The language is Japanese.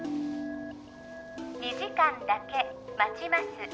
２時間だけ待ちます